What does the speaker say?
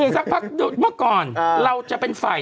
สักพักเมื่อก่อนเราจะเป็นฝ่าย